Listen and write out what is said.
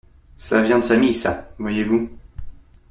Ca vient de famille, ça, voyez-vous !